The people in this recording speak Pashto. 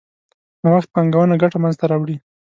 نوښت پانګونه ګټه منځ ته راوړي.